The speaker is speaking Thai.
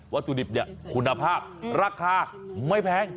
ถุดิบเนี่ยคุณภาพราคาไม่แพง